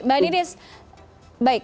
mbak nidis baik